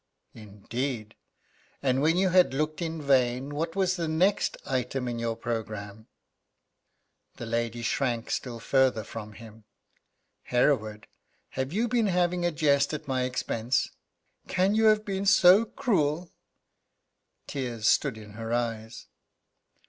"Indeed! And when you had looked in vain, what was the next item in your programme?" The lady shrank still further from him: "Hereward, have you been having a jest at my expense? Can you have been so cruel?" Tears stood in her eyes.